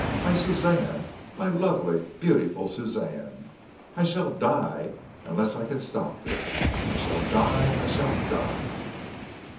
My Suzanne! My lovely, beautiful Suzanne! I shall die unless I can stop this! I shall die! I shall die!"